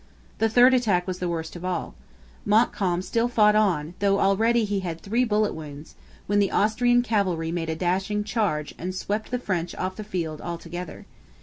The third attack was the worst of all. Montcalm still fought on, though already he had three bullet wounds, when the Austrian cavalry made a dashing charge and swept the French off the field altogether.